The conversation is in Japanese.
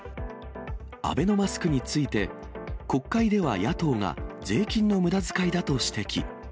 アベノマスクについて、国会では野党が、税金のむだづかいだと指摘。